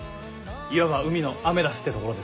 いわば海のアメダスってところですかね。